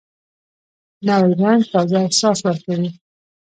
نوی رنګ تازه احساس ورکوي